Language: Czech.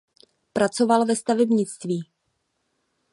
Pracoval ve stavebnictví.